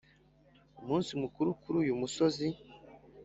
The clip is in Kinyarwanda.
umunsi mukuru kuri uyu musozi,